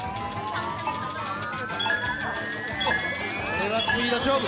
これはスピード勝負！